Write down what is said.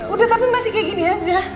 udah tapi masih kayak gini aja